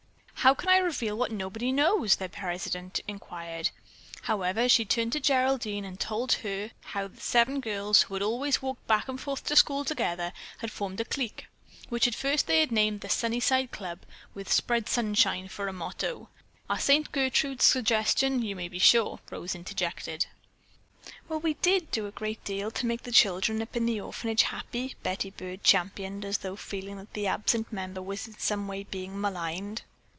"How can I reveal what nobody knows?" their president inquired. However, she turned to Geraldine and told how the seven girls who always walked back and forth to school together had formed a clique, which at first they had named Sunnyside Club with "Spread Sunshine" for a motto. "Our Saint Gertrude's suggestion, you may be sure," Rose interjected. "Well, we did do a great deal to make the children up in the orphanage happy," Betty Byrd championed as though feeling that the absent member was in some way being maligned.